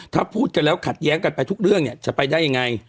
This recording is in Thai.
ถ้าพูดกันแล้วขัดแย้งกันไปทุกเรื่องเนี่ยจะไปได้ยังไง